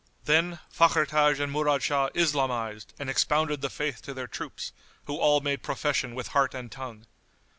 Then Fakhr Taj and Murad Shah islamised and expounded The Faith to their troops, who all made profession with heart and tongue.